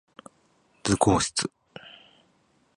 図工室